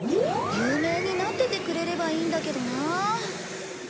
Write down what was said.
有名になっててくれればいいんだけどな。